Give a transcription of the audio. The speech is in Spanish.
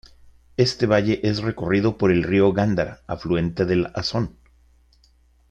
Este valle es recorrido por el río Gándara, afluente del Asón.